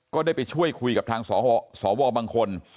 ก็ได้ไปช่วยคุยกับทางสวบางคน